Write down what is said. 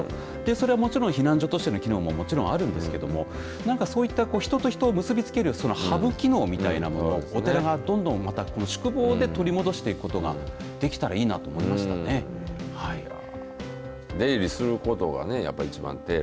それはもちろん避難所としての機能ももちろんあるんですけれども何かそういった人と人を結びつけるハブ機能みたいなものをお寺がどんどん宿坊で取り戻していくことが出入りすることがねやっぱ一番。